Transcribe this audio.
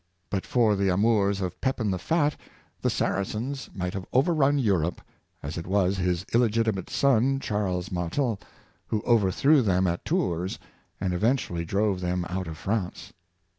But for the amours of Pepin the Fat, the Saracens might have Trifles in Biography. 553 overrun Europe, as it was his illegitimate son, Charles Martel, who overthrew them at Tours, and eventually drove them out of France.